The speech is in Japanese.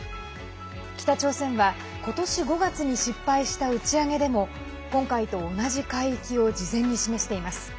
北朝鮮は今年５月に失敗した打ち上げでも今回と同じ海域を事前に示しています。